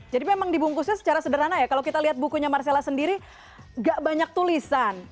jadi memang dibungkusnya secara sederhana ya kalau kita lihat bukunya marcella sendiri gak banyak tulisan